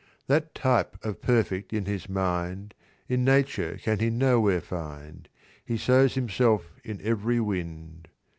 "That type of Perfect in his mind In Nature can he nowhere find. He sows himself in every wind.